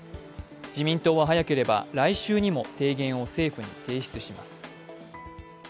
自民党は早ければ来週にも提言を政府に提出します。